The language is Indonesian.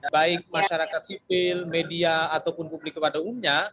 baik masyarakat sipil media ataupun publik kepada umumnya